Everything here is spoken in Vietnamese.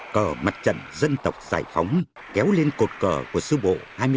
cờ mặt trận dân tộc giải phóng kéo lên cột cờ của sư bộ hai mươi ba